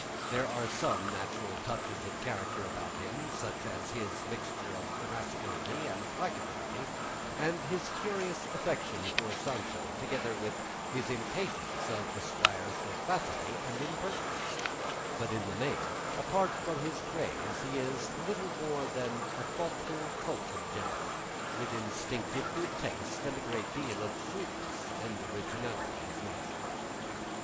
There are some natural touches of character about him, such as his mixture of irascibility and placability, and his curious affection for Sancho together with his impatience of the squire's loquacity and impertinence; but in the main, apart from his craze, he is little more than a thoughtful, cultured gentleman, with instinctive good taste and a great deal of shrewdness and originality of mind.